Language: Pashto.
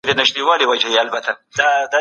د وارداتو د کموالي ستونزه باید حل سي.